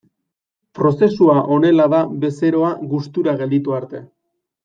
Prozesua honela da bezeroa gustura gelditu arte.